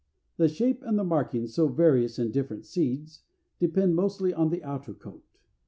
The shape and the markings, so various in different seeds, depend mostly on the outer coat.